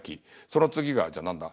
その次がじゃあ何だ？